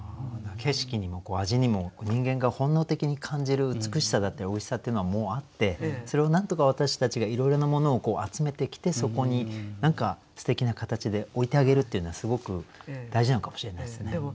景色にも味にも人間が本能的に感じる美しさだったりおいしさっていうのはもうあってそれをなんとか私たちがいろいろなものをこう集めてきてそこにすてきな形で置いてあげるっていうのはすごく大事なのかもしれないですね。